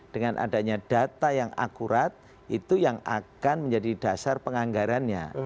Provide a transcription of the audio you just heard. dengan adanya data yang akurat itu yang akan menjadi dasar penganggarannya